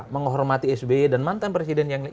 menghormati sby dan mantan presiden yang